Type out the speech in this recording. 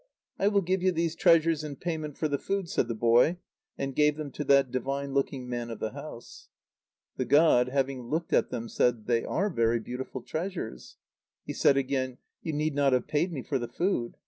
"I will give you these treasures in payment for the food," said the boy, and gave them to that divine looking man of the house. The god, having looked at them, said: "They are very beautiful treasures." He said again: "You need not have paid me for the food.